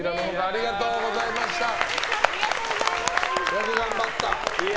よく頑張った。